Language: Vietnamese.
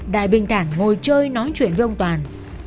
đài bình thản ngồi chơi nói chuyện với ông toàn